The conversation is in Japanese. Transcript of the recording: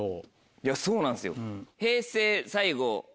いやそうなんですよ。